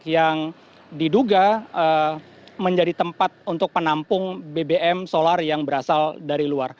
yang diduga menjadi tempat untuk penampung bbm solar yang berasal dari luar